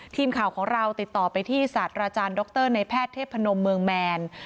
ทีมข่าวของเราติดต่อไปที่ศาสตราจารย์ดรในแพทย์เทพนมเมืองแมน